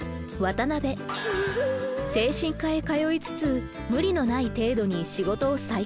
渡辺精神科へ通いつつ無理のない程度に仕事を再開中。